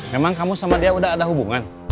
memang kamu sama dia udah ada hubungan